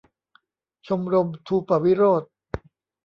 ชมรมธูปะวิโรจน์